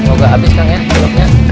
semoga habis kang ya bloknya